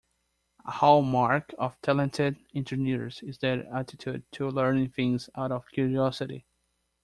A hallmark of talented engineers is their attitude to learning things out of curiosity.